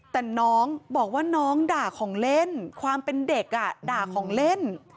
แต่น้องบอกว่าน้องด่าของเล่นความเป็นเด็กด่าของเล่น